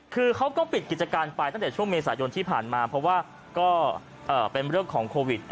คือเขาก็ปิดกิจการไปตั้งแต่ช่วงเมษายนที่ผ่านมาเพราะว่าก็เป็นเรื่องของโควิด